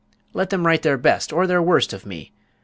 "Let them write their best or their worst of me.